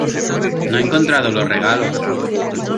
no he encontrado los regalos.